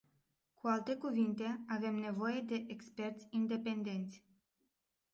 Cu alte cuvinte, avem nevoie de experți independenți.